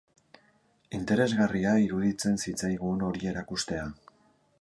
Interesgarria iruditzen zitzaigun hori erakustea.